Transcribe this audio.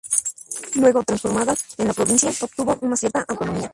Luego, transformada en la provincia, obtuvo una cierta autonomía.